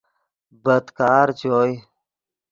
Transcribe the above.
بدکار چوئے